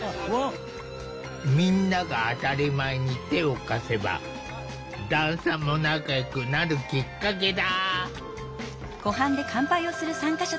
みんなが当たり前に手を貸せば段差も仲よくなるきっかけだ！